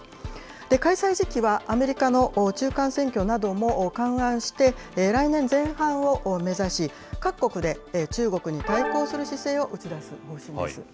開催時期はアメリカの中間選挙なども勘案して、来年前半を目指し、各国で中国に対抗する姿勢を打ち出す方針です。